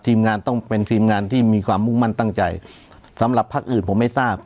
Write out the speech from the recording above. ทีมงานต้องเป็นทีมงานที่มีความมุ่งมั่นตั้งใจสำหรับพักอื่นผมไม่ทราบ